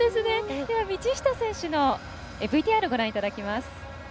道下選手のＶＴＲご覧いただきます。